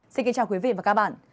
xin kính chào quý vị và các bạn